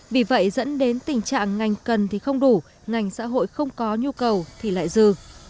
vì vậy dẫn đến tình trạng ngành cần thì không đủ ngành xã hội không có nhu cầu thì lại dư